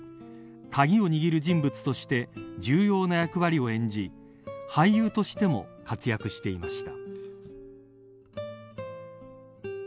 鍵を握る人物として重要な役割を演じ俳優としても活躍していました。